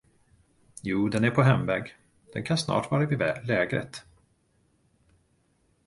Jo, den är på hemväg, den kan snart vara vid lägret.